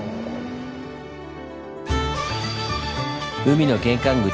海の玄関口